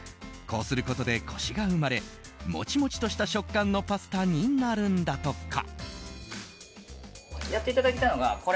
こうすることでコシが生まれモチモチとした食感のパスタになるんだとか。